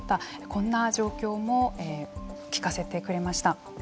こんな状況も聞かせてくれました。